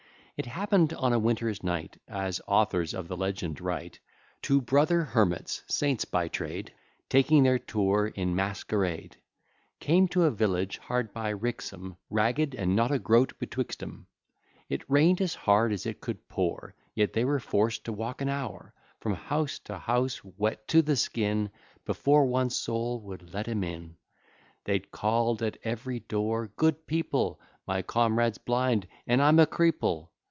It happen'd on a winter's night, As authors of the legend write, Two brother hermits, saints by trade, Taking their tour in masquerade, Came to a village hard by Rixham, Ragged and not a groat betwixt 'em. It rain'd as hard as it could pour, Yet they were forced to walk an hour From house to house, wet to the skin, Before one soul would let 'em in. They call'd at every door: "Good people, My comrade's blind, and I'm a creeple!